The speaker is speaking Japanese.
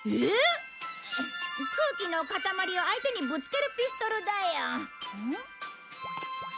空気の塊を相手にぶつけるピストルだよ。